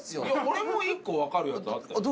俺も１個分かるやつあったよ。